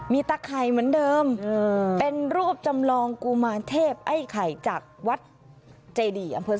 มีตะไข่เหมือนเดิมเป็นรูปจำลองกุมารเทพไอ้ไข่จากวัดเจดีอำเภอ